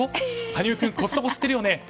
羽生君、コストコ知ってるよね？